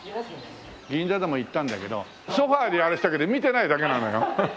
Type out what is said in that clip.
銀座でも行ったんだけどソファであれしたけど見てないフフ。